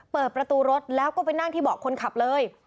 เปิดประตูรถแล้วก็ไปนั่งที่เบาะคนขับเลย